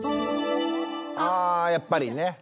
あやっぱりね。